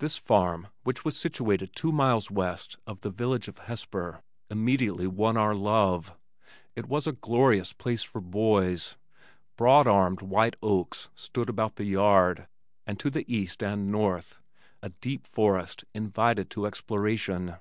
This farm, which was situated two miles west of the village of Hesper, immediately won our love. It was a glorious place for boys. Broad armed white oaks stood about the yard, and to the east and north a deep forest invited to exploration.